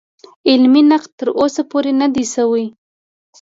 علمي نقد تر اوسه پورې نه دی شوی.